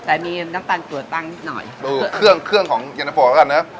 แต่มีน้ำตาลกลัวตั้งนิดหน่อยดูเครื่องเครื่องของเย็นเตอร์โฟก่อนเนอะ